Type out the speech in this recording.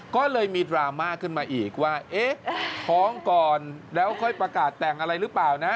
ก็เลยมีดราม่าขึ้นมาอีกว่าเอ๊ะท้องก่อนแล้วค่อยประกาศแต่งอะไรหรือเปล่านะ